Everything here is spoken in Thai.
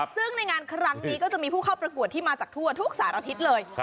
ซึ่งในงานครั้งนี้ก็จะมีผู้เข้าประกวดที่มาจากทั่วทุกสารทิศเลย